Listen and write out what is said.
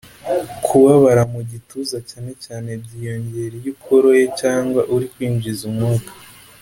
Kubabara mu gituza cyane cyane byiyongera iyo ukoroye cg uri kwinjiza umwuka